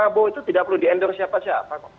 pak prabowo itu tidak perlu diendorse siapa siapa